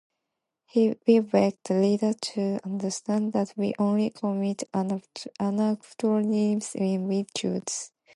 We beg the reader to understand that we only commit anachronisms when we choose.